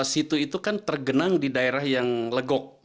situ itu kan tergenang di daerah yang legok